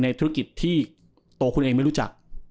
ธุรกิจที่ตัวคุณเองไม่รู้จัก